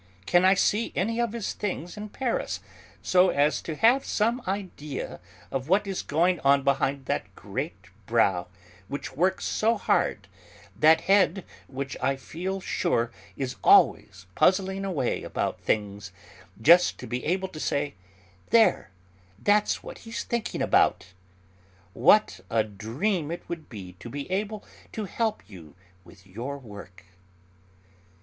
Can I see any of his things in Paris, so as to have some idea of what is going on behind that great brow which works so hard, that head which I feel sure is always puzzling away about things; just to be able to say 'There, that's what he's thinking about!' What a dream it would be to be able to help you with your work."